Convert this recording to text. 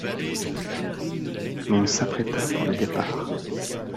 L'on s'apprêta pour le départ.